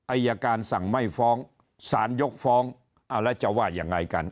อายการสั่งไม่ฟ้องสารยกฟ้องเอาแล้วจะว่ายังไงกัน